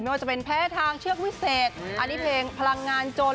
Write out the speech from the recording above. ไม่ว่าจะเป็นแพ้ทางเชือกวิเศษอันนี้เพลงพลังงานจน